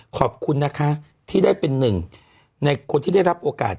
ขอบคุณนะคะที่ได้เป็นหนึ่งในคนที่ได้รับโอกาส